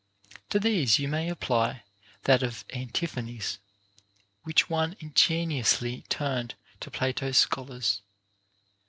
To these you may apply that of Antiphanes, which one ingen iously turned to Plato's scholars.